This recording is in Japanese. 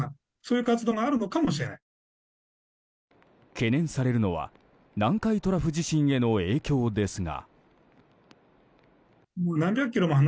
懸念されるのは南海トラフ地震への影響ですが。